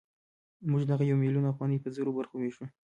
موږ دغه یو میلیون افغانۍ په زرو برخو وېشو